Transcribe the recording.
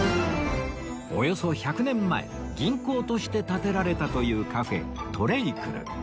およそ１００年前銀行として建てられたというカフェ ＴＲＡＹＣＬＥ